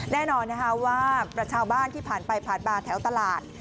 แน่นอนนะคะว่าประชาชนที่ผ่านไปผ่านมาแถวตลาด